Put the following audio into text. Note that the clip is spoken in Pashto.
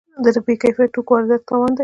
د بې کیفیت توکو واردات تاوان دی.